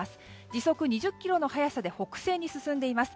時速２０キロの速さで北西に進んでいます。